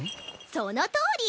そのとおり！